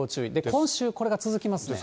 今週これが続きますね。